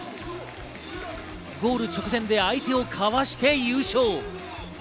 ゴール直前で相手をかわして優勝。